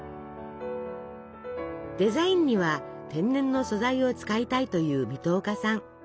デザインには天然の素材を使いたいという水戸岡さん。